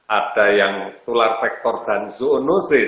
ada yang tular vektor dan zoonosis